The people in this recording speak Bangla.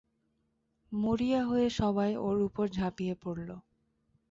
মরিয়া হয়ে সবাই ওর উপর ঝাঁপিয়ে পড়ল।